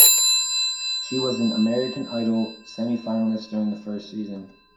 She was an "American Idol" semi-finalist during its first season.